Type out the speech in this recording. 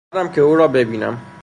آمدم که او را ببینم.